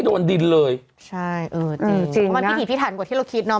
โดนดินเลยใช่เออจริงจริงมันพิถีพิถันกว่าที่เราคิดเนาะ